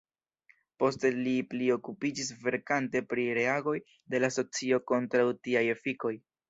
Poste li pli okupiĝis verkante pri reagoj de la socio kontraŭ tiaj efikoj.